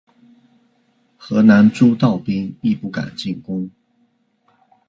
河南诸道兵亦不敢进攻。